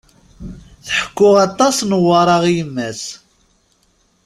Tḥekku aṭas Newwara i yemma-s.